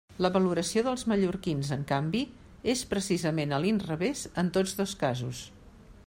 La valoració dels mallorquins, en canvi, és precisament a l'inrevés en tots dos casos.